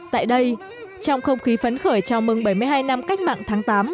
tại đây trong không khí phấn khởi chào mừng bảy mươi hai năm cách mạng tháng tám